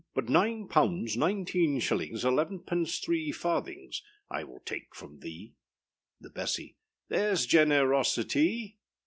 But nine pounds nineteen shillings eleven pence three farthings I will take from thee. The Bessy. Thereâs ge ne ro si ty!